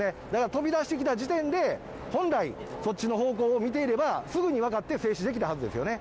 飛び出してきた時点で、本来、そっちの方向を見ていれば、すぐに分かって制止できたはずですよね。